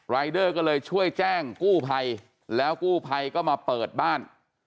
รายเดอร์ก็เลยช่วยแจ้งกู้ภัยแล้วกู้ภัยก็มาเปิดบ้าน